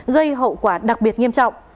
gây hậu quả đặc biệt nghiêm trọng